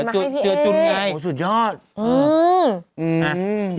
เอ้าหวยบ้านไหนกูเล่น